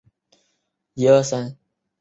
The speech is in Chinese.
多果雪胆为葫芦科雪胆属下的一个变种。